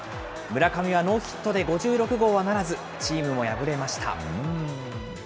村上はノーヒットで５６号はならず、チームも敗れました。